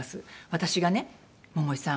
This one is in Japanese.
私がね「桃井さん